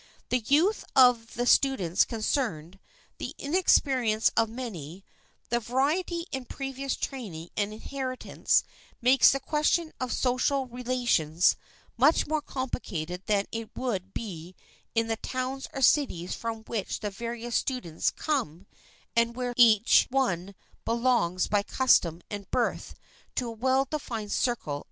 The youth of the students concerned, the inexperience of many, the variety in previous training and inheritance make the question of social relations much more complicated than it would be in the towns or cities from which the various students come and where each one belongs by custom and birth to a well defined circle of friends.